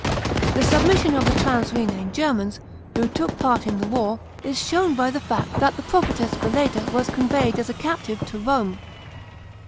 The submission of the trans Rhenane Germans, who took part in the war, is shown by the fact that the prophetess Veleda was conveyed as a captive to Rome.